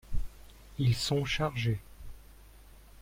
Ils sont chargés.